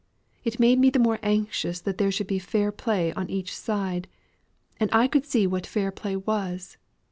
It made me the more anxious that there should be fair play on each side; and I could see what fair play was.